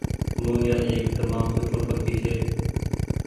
موريآ ايڪ تمآم سٺو پکي ڇي۔